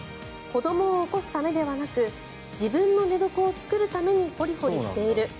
子どもを起こすためではなく自分の寝床を作るためにホリホリしている。